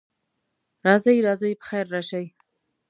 راځئ، راځئ، پخیر راشئ.